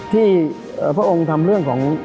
ที่พระองค์ทำเรื่องของ